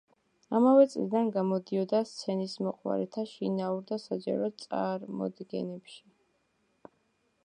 ამავე წლიდან გამოდიოდა სცენისმოყვარეთა შინაურ და საჯარო წარმოდგენებში.